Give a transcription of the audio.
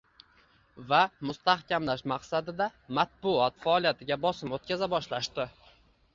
va mustahkamlash maqsadida matbuot faoliyatiga bosim o‘tkaza boshlashdi.